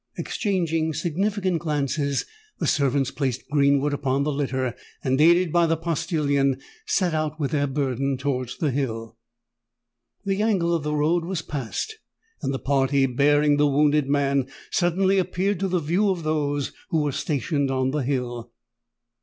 Exchanging significant glances, the servants placed Greenwood upon the litter; and, aided by the postillion, set out with their burden towards the hill. The angle of the road was passed; and the party bearing the wounded man, suddenly appeared to the view of those who were stationed on the hill.